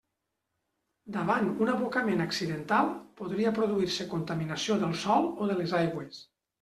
Davant un abocament accidental, podria produir-se contaminació del sòl o de les aigües.